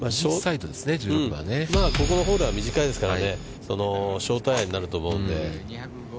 ここのホールは短いですからね、ショートアイアンになると思うんで。